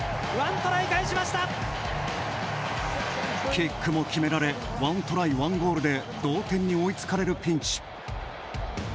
キックも決められ１トライ１ゴールで同点に追いつかれるピンチ。